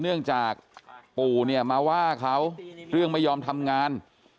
เนื่องจากปู่เนี่ยมาว่าเขาเรื่องไม่ยอมทำงาน